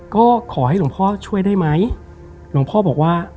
ก็ขอให้หลวงพ่อช่วยได้ไหมหลวงพ่อบอกว่า